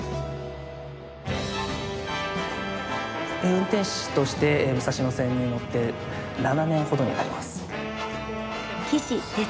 運転士として武蔵野線に乗って７年ほどになります。